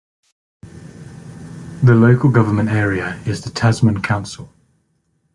The local government area is the Tasman Council.